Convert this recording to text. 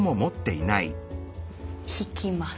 引きます。